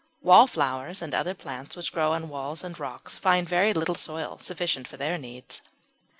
Wallflowers and other plants which grow on walls and rocks find very little soil sufficient for their needs.